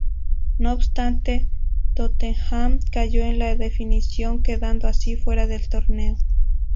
No obstante, Tottenham cayó en la definición, quedando así fuera del torneo.